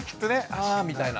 あみたいな。